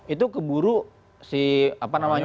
itu keburu si apa namanya